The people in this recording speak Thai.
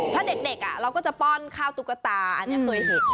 ถ้าเด็กเราก็จะป้อนข้าวตุ๊กตาอันนี้เคยเห็น